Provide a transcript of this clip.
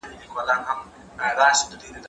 زه مخکي ليک لوستی و!؟